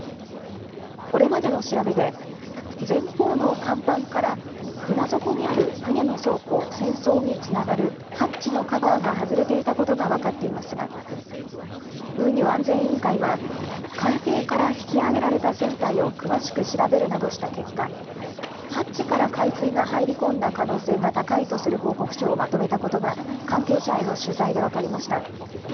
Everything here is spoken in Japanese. これまでの調べで、前方の甲板から船底にある船の倉庫・船倉につながる、ハッチのカバーが外れていたことが分かっていますが、運輸安全委員会は、海底から引き揚げられた船体を詳しく調べるなどした結果、ハッチから海水が入り込んだ可能性が高いとする報告書をまとめたことが、関係者への取材で分かりました。